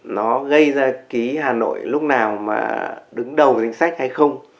nó gây ra hà nội lúc nào đứng đầu tính sách